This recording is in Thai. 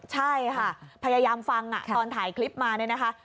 ใช่ค่ะพยายามฟังตอนถ่ายคลิปมาเนี่ยนะคะ